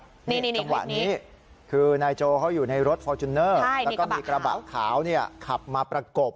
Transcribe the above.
จังหวะนี้คือนายโจเขาอยู่ในรถฟอร์จูเนอร์แล้วก็มีกระบะขาวขับมาประกบ